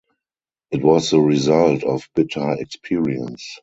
It was the result of bitter experience.